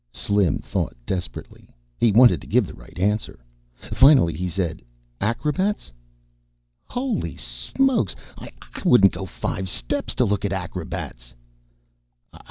Slim thought desperately. He wanted to give the right answer. Finally, he said, "Acrobats?" "Holy Smokes! I wouldn't go five steps to look at acrobats."